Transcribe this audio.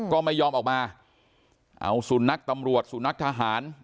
ก็ไม่ยอมออกมาเอาสุนัขตำรวจสุนัขทหาร